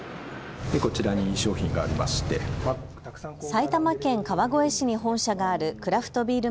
埼玉県川越市に本社があるクラフトビール